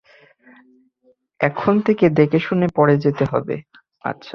এখন থেকে দেখে শুনে পড়ে যেতে হবে।